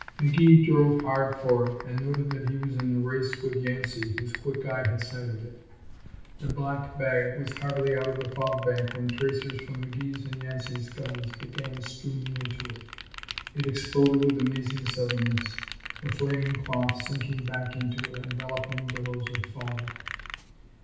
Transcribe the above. McGee drove hard for it, and noted that he was in a race with Yancey, whose quick eye had sighted it. The black bag was hardly out of the fog bank when tracers from McGee's and Yancey's guns began streaming into it. It exploded with amazing suddenness, the flaming cloth sinking back into enveloping billows of fog.